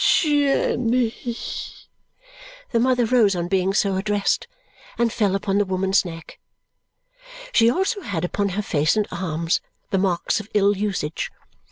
Jenny!" The mother rose on being so addressed and fell upon the woman's neck. She also had upon her face and arms the marks of ill usage.